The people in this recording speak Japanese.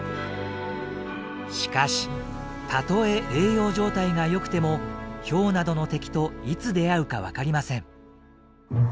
しかしたとえ栄養状態が良くてもヒョウなどの敵といつ出会うか分かりません。